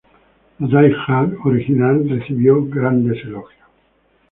La "Die Hard" original recibió importantes elogios.